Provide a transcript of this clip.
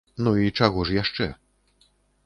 Ну, і чаго ж яшчэ.